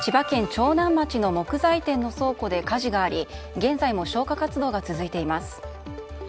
長南町の木材店の倉庫で火事があり現在も消火活動が続いています。